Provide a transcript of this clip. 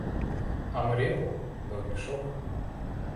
А мы репу-то да в мешок!